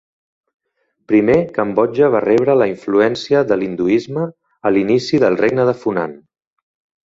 Primer, Cambodja va rebre la influència de l'hinduisme a l'inici del Regne de Funan.